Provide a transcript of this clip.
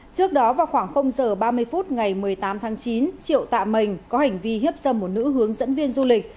trước đó vào khoảng h ba mươi phút ngày một mươi tám tháng chín triệu tạ mình có hành vi hiếp dâm một nữ hướng dẫn viên du lịch